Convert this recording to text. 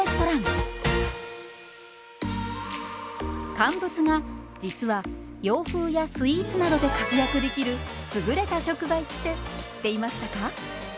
乾物が実は洋風やスイーツなどで活躍できる優れた食材って知っていましたか？